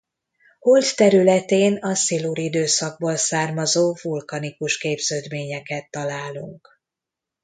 Holt területén a szilur időszakból származó vulkanikus képződményeket találunk.